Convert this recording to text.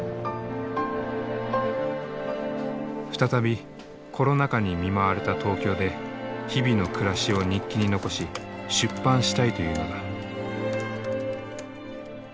再びコロナ禍に見舞われた東京で日々の暮らしを日記に残し出版したいというのだ。